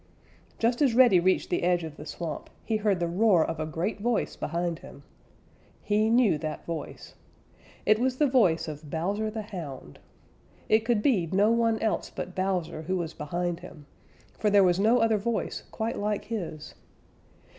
Just as Reddy reached the edge of the swamp, he heard the roar of a great voice behind him. He knew that voice. It was the voice of Bowser the Hound. It could be no one else but Bowser who was behind him, for there was no other voice quite like his.